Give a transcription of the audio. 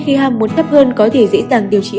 khi hang muốn thấp hơn có thể dễ dàng điều trị